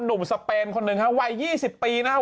หนุ่มสเปนคนหนึ่งครับวัย๒๐ปีนะครับ